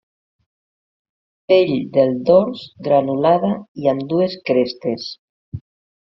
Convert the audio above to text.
Pell del dors granulada i amb dues crestes.